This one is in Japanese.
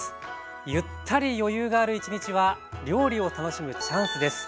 ゆったり余裕がある一日は料理を楽しむチャンスです。